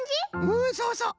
うんそうそう。